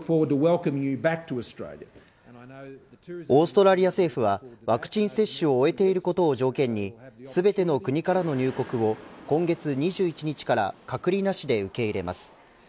オーストラリア政府はワクチン接種を終えていることを条件に全ての国からの入国を今月２１日から隔離なしで受け入れます。